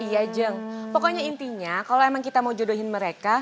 iya jeng pokoknya intinya kalau emang kita mau jodohin mereka